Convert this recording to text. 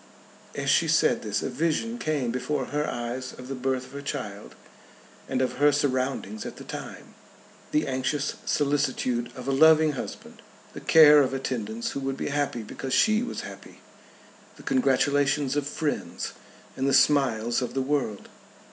As she said this a vision came before her eyes of the birth of her child and of her surroundings at the time; the anxious solicitude of a loving husband, the care of attendants who would be happy because she was happy, the congratulations of friends, and the smiles of the world.